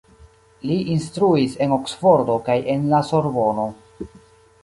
Li instruis en Oksfordo kaj en la Sorbono.